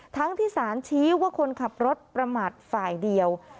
ทั้งที่สารชี้ว่าคนขับรถประมาทฝ่ายเดียว